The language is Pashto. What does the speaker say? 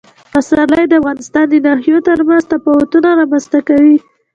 پسرلی د افغانستان د ناحیو ترمنځ تفاوتونه رامنځ ته کوي.